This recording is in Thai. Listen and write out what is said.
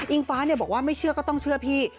ฟ้าบอกว่าไม่เชื่อก็ต้องเชื่อพี่